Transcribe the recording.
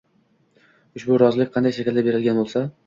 ushbu rozilik qanday shaklda berilgan bo‘lsa